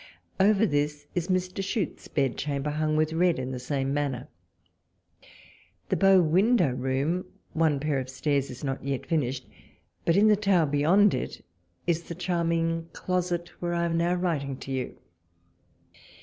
Over this is Mr. Chute's bed chamber, hung with red in the same manner. The bow window room one pair of stairs is not yet finished : but in the tower beyond it is the charming closet where I am now writing to you.